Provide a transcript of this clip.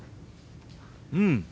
うん。